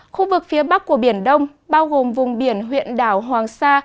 khu vực phía bắc của biển đông bao gồm vùng biển huyện đảo hoàng sa